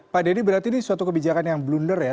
pak denny berarti ini suatu kebijakan yang blunder ya